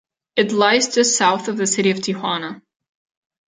It lies just south of the city of Tijuana.